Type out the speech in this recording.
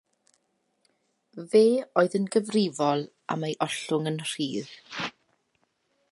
Fe oedd yn gyfrifol am ei ollwng yn rhydd.